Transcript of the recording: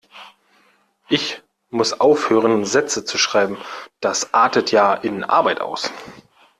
Ich muss aufhören Sätze zu schreiben, das artet ja in Arbeit aus.